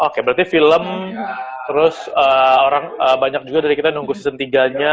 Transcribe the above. oke berarti film terus orang banyak juga dari kita nunggu season tiga nya